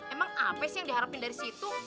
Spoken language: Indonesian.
emang apa sih yang diharapin dari situ